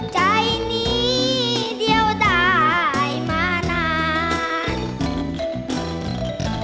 ใจนี้เดียวได้มานาน